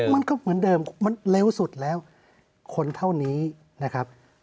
มันก็เหมือนเดิมมันเร็วสุดแล้วคนเท่านี้นะครับ